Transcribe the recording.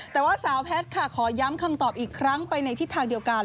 แต่ว่าสาวแพทย์ค่ะขอย้ำคำตอบอีกครั้งไปในทิศทางเดียวกัน